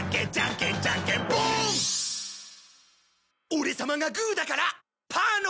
オレ様がグーだからパーの勝ち！